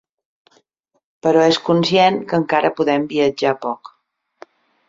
Però és conscient que encara podem viatjar poc.